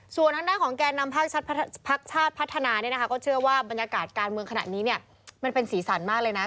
ส่วนทางด้านของแก่นำพักชาติพัฒนาก็เชื่อว่าบรรยากาศการเมืองขณะนี้มันเป็นสีสันมากเลยนะ